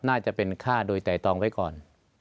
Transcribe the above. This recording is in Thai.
น่าจะเป็นฆ่าโดยไตรตองไว้ก่อน